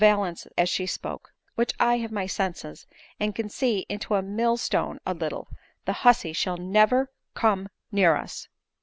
H5 valance as she spoke,) " while I have my senses, and can see into a mill stone a little, the hussy shall never come near us."